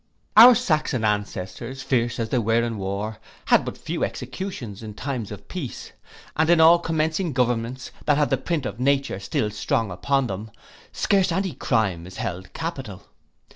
Our Saxon ancestors, fierce as they were in war, had but few executions in times of peace; and in all commencing governments that have the print of nature still strong upon them, scarce any crime is held capital.